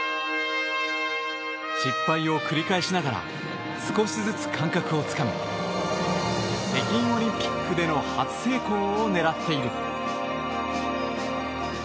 失敗を繰り返しながら少しずつ感覚をつかみ北京オリンピックでの初成功を狙っている。